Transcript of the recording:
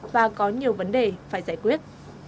và có nhiều vấn đề phải giải quyết